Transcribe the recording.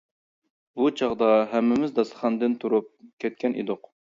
بۇ چاغدا ھەممىمىز داستىخاندىن تۇرۇپ كەتكەن ئىدۇق.